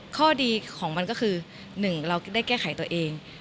ข้อดีของมันก็คือ๑เราได้แก้ไขตัวเอง